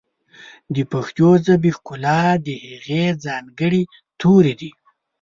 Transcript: د پښتو ژبې ښکلا د هغې ځانګړي توري دي.